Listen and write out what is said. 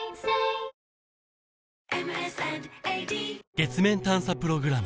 月面探査プログラム